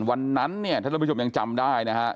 วันนั้นเนี่ยท่านผู้ชมยังจำได้นะฮะ